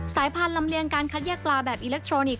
สายพันธุ์ลำเลียงการคัดแยกปลาแบบอิเล็กทรอนิกส